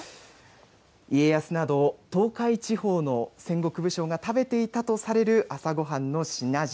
家康など、東海地方の戦国武将が食べていたとされる朝ごはんの品々。